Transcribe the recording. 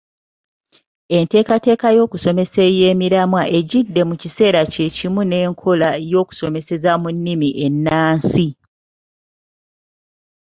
Enteekateeka y’okusomesa ey’emiramwa ejjidde mu kiseera kye kimu n’enkola y’okusomeseza mu nnimi ennansi.